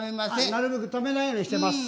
なるべくためないようにしてます。